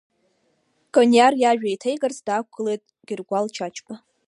Кониар иажәа еиҭеигарц даақәгылеит Гьыргәал Чачба.